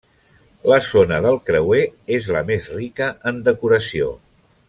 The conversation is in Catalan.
La zona del creuer és la més rica en decoració.